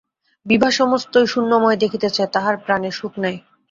বিভা সমস্তই শূন্যময় দেখিতেছে, তাহার প্রাণে সুখ নাই।